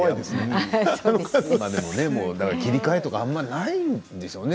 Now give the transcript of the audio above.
切り替えとかあまりないんでしょうね